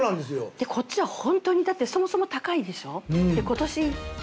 でこっちはホントにだってそもそも高いでしょう？